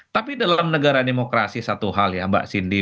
tapi dalam negara demokrasi satu hal ya mbak cindy